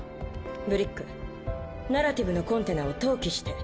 ブリックナラティブのコンテナを投棄して。